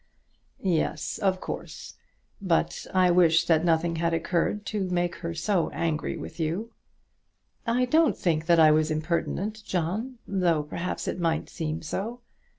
"Yes, of course; but I wish that nothing had occurred to make her so angry with you." "I don't think that I was impertinent, John, though perhaps it might seem so.